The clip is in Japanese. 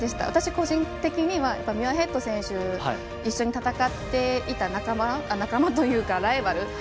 私、個人的にミュアヘッド選手は一緒に戦っていた仲間仲間というかライバル